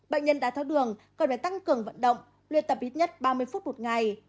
bệnh nhân đá tháo đường còn phải tăng cường vận động luyện tập ít nhất ba mươi phút một ngày